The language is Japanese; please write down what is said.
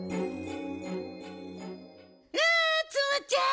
あツムちゃん